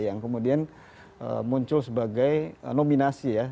yang kemudian muncul sebagai nominasi ya